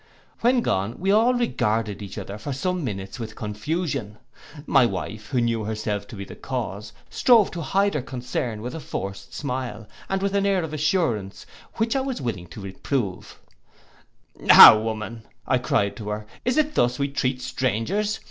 When gone, we all regarded each other for some minutes with confusion. My wife, who knew herself to be the cause, strove to hide her concern with a forced smile, and an air of assurance, which I was willing to reprove: 'How, woman,' cried I to her, 'is it thus we treat strangers?